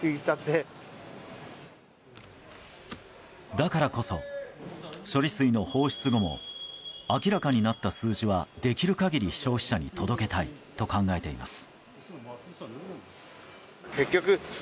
だからこそ処理水の放出後も明らかになった数字はできる限り、消費者に届けたいと考えています。